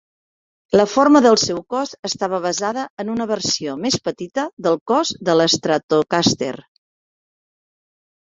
La forma del seu cos estava basada en una versió més petita del cos de la Stratocaster.